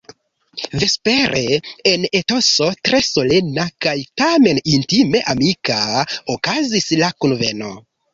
Vespere en etoso tre solena kaj tamen intime amika okazis la kunveno.